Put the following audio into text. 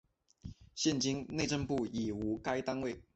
现今内政部已无该单位。